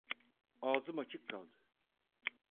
Ağzım açık kaldı.